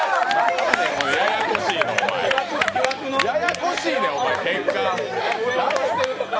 ややこしいねん、お前。